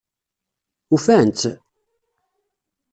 Ufan-tt?